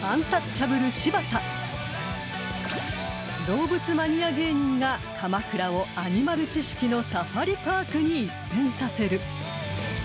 ［動物マニア芸人が鎌倉をアニマル知識のサファリパークに一変させる］